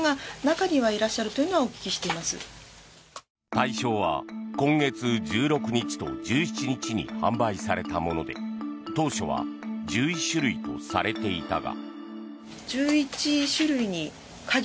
対象は、今月１６日と１７日に販売されたもので当初は１１種類とされていたが。